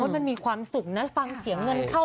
มันมีความสุขนะฟังเสียงเงินเข้า